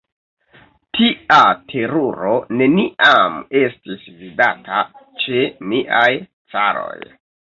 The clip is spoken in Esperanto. Tia teruro neniam estis vidata ĉe niaj caroj!